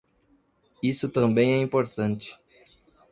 Isso também é impotente